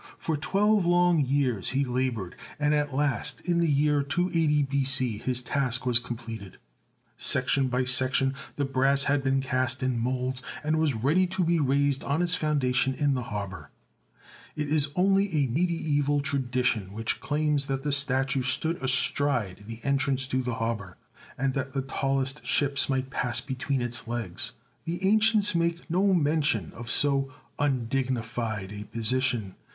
For twelve long years he laboured, and at last, in the year 280 B.C., his task was completed. 1 62 THE SEVEN WONDERS Section by section the brass had been cast in moulds, and was ready to be raised on its founda tion in the harbour. It is only a mediaeval tradi tion which claims that the statue stood astride the entrance to the harbour, and that the tallest ships might pass between its legs. The ancients make no mention of so undignified a position.